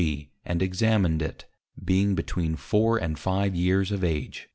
_ and examined it, being between 4 and 5 years of Age.